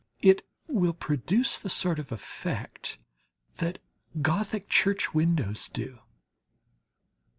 It will produce the sort of effect that Gothic church windows do.